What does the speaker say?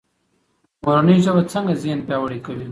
مورنۍ ژبه څنګه ذهن پیاوړی کوي؟